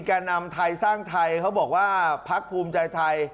แก่นำไทยสร้างไทยเขาบอกว่าพักภูมิใจไทย